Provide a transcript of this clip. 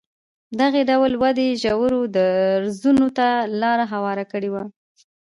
دغې ډول ودې ژورو درزونو ته لار هواره کړې وای.